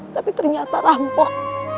tapi ternyata rampok